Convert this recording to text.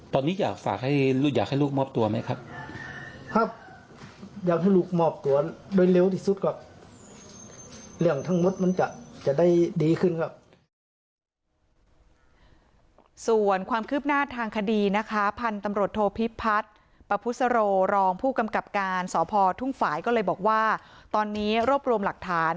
ตอนนี้รวบรวมหลักฐานเพื่อให้ลูกเนี่ยมอบตัวเถอะนะครับ